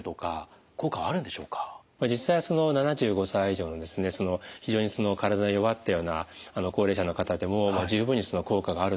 実際は７５歳以上の非常に体が弱ったような高齢者の方でも十分にその効果があるということはよく分かっています。